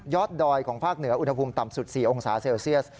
ดอยของภาคเหนืออุณหภูมิต่ำสุด๔องศาเซลเซียส